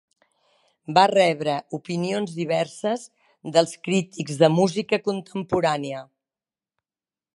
Va rebre opinions diverses dels crítics de música contemporània.